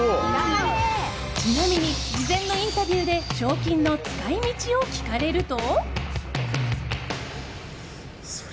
ちなみに事前のインタビューで賞金の使い道を聞かれると。